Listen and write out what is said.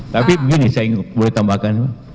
tapi begini saya boleh tambahkan